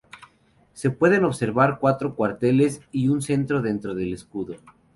Se pueden observar cuatro cuarteles y un centro dentro del escudo.